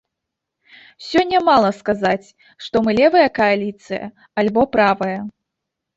Сёння мала сказаць, што мы левая кааліцыя альбо правая.